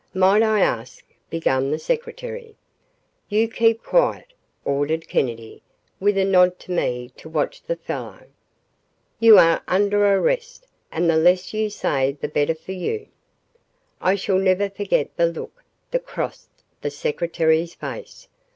"Might I ask " began the secretary. "You keep quiet," ordered Kennedy, with a nod to me to watch the fellow. "You are under arrest and the less you say, the better for you." I shall never forget the look that crossed the secretary's face.